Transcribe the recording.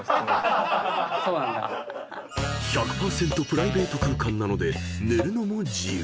プライベート空間なので寝るのも自由］